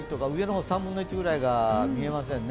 上の方３分の１くらいが見えませんね。